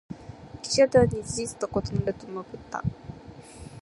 記者団に「事実と異なる」と述べた。